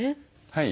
はい。